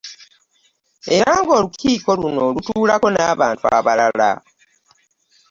Era ng'olukiiko luno lutuulako n'abantu abalala.